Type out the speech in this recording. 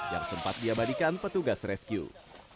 yang sempat diabadikan petugas rescue